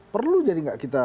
perlu jadi gak kita